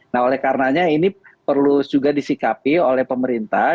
nah oleh karenanya ini perlu juga disikapi oleh pemerintah